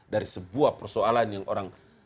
dari sebuah persoalan yang orang